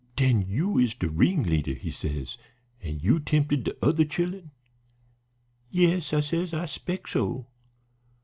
"'Den you is de ringleader,' he says, 'an' you tempted de other chillen?' 'Yes,' I says, 'I 'spec' so.'